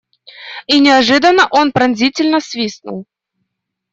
И неожиданно он пронзительно свистнул.